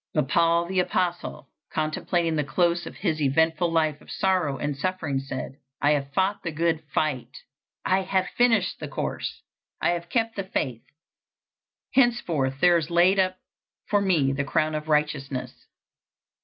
But Paul the apostle, contemplating the close of his eventful life of sorrow and suffering, said: "I have fought the good fight? I have finished the course? I have kept the faith: henceforth there is laid up for me the crown of righteousness."